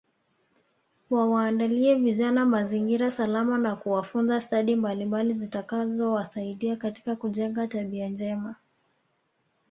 Wawaandalie vijana mazingira salama na kuwafunza stadi mbalimbali zitakazowasaidia katika kujenga tabia njema